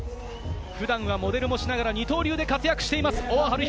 普段はモデルもしながら二刀流で活躍しています。